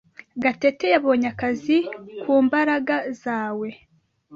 Gatete yabonye akazi ku mbaraga zawe.